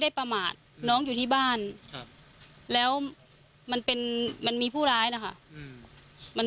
ประมาทน้องอยู่ที่บ้านครับแล้วมันเป็นมันมีผู้ร้ายนะคะ